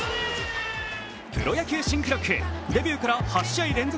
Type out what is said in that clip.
プロ野球新記録デビューから８試合連続